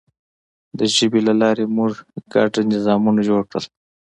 د ژبې له لارې موږ ګډ نظامونه جوړ کړل.